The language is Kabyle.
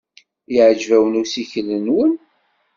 Yeɛjeb-awen ussikel-nwen?